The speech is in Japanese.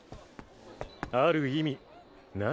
ある意味な。